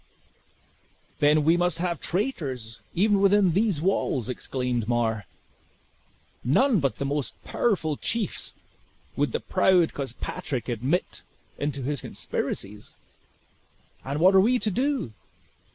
"Then we must have traitors, even within these walls," exclaimed Mar; "none but the most powerful chiefs would the proud Cospatrick admit into his conspiracies. And what are we to do?